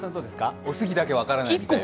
おすぎだけ分からないんだよ。